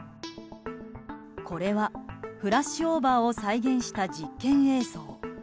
これはフラッシュオーバーを再現した実験映像。